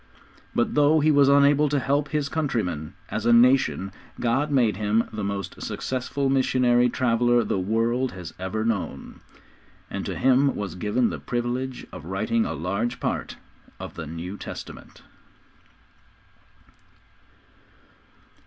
But though he was unable to help his countrymen, as a nation, God made him the most successful missionary traveller the world has ever known, and to him was given the privilege of writing a large part of the New Testament.